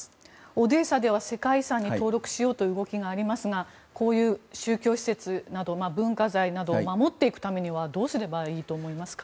オデーサでは世界遺産に登録しようという動きがありますがこういう宗教施設、文化財などを守っていくためにはどうすればいいと思いますか？